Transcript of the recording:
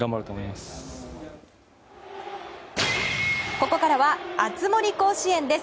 ここからは熱盛甲子園です。